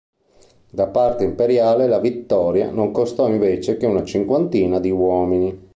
Da parte imperiale la vittoria, non costò invece che una cinquantina di uomini.